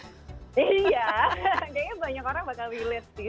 iya kayaknya banyak orang bakal relate sih